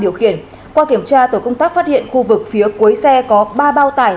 điều khiển qua kiểm tra tổ công tác phát hiện khu vực phía cuối xe có ba bao tải